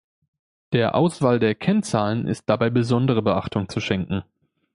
Der Auswahl der Kennzahlen ist dabei besondere Beachtung zu schenken.